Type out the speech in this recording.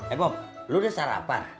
eh bom lu udah sarapan